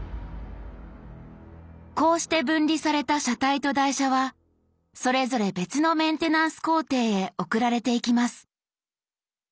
こうして分離された車体と台車はそれぞれ別のメンテナンス工程へ送られていきます。